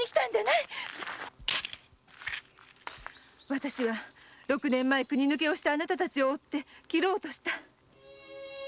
わたしは六年前国抜けをしたあなたたちを追って切ろうとした。